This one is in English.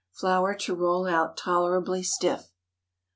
Flour to roll out tolerably stiff.